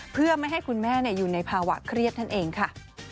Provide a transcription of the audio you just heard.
เพื่อไม่ให้คุณแม่อยู่ในภาวะเครียดนั่นเองค่ะ